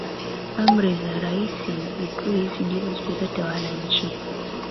Amri za rais decrees ndizo zilizotawala nchi